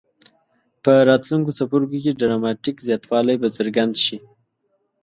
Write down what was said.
په راتلونکو څپرکو کې ډراماټیک زیاتوالی به څرګند شي.